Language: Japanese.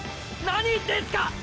⁉何言ってんすか！！